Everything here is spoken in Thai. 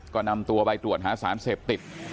ก็นำตัวไปตรวจหาสารเสพติด